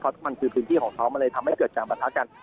เพราะว่ามันคือพื้นที่ของเขามาเลยทำให้เกิดส่วนปธากัน